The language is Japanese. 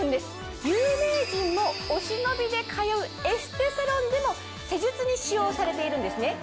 有名人もお忍びで通うエステサロンでも施術に使用されているんですね。